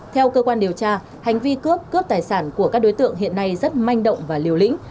theo cơ quan điều tra hành vi cướp cướp tài sản của các đối tượng hiện nay rất manh động và liều lĩnh